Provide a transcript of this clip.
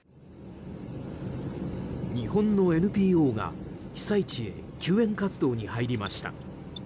日本のＮＰＯが被災地へ救援活動に入りました。